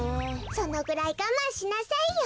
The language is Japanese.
そのぐらいがまんしなさいよ。